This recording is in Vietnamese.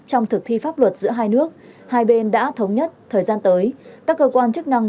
trong thực thi pháp luật giữa hai nước hai bên đã thống nhất thời gian tới các cơ quan chức năng